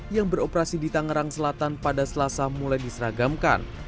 yang beroperasi di tangerang selatan pada selasa mulai diseragamkan